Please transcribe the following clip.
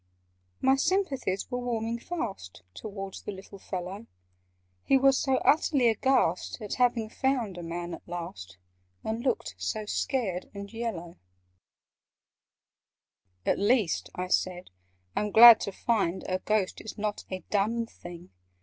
My sympathies were warming fast Towards the little fellow: He was so utterly aghast At having found a Man at last, And looked so scared and yellow. [Picture: In caverns by the water side] "At least," I said, "I'm glad to find A Ghost is not a dumb thing!